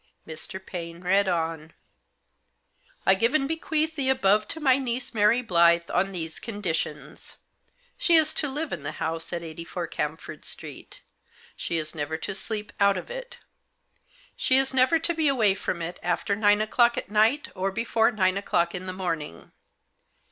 Mr. Paine read on :"' I give and bequeath the above to my niece, Mary Blyth, on these conditions. She is to live in the house at 84, Camford Street. She is never to sleep out of it She is never to be away from it after nine o'clock at night or before nine o'clock in the morning.